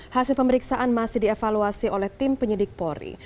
hasil pemeriksaan masih dievaluasi oleh tim penyidik polri